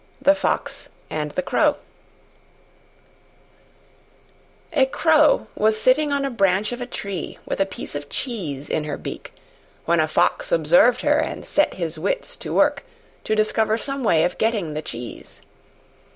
THE FOX AND THE CROW A Crow was sitting on a branch of a tree with a piece of cheese in her beak when a Fox observed her and set his wits to work to discover some way of getting the cheese.